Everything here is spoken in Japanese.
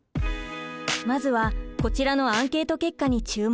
まずはこちらのアンケート結果に注目。